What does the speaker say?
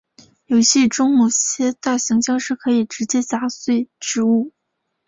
游戏中某些大型僵尸可以直接砸碎植物。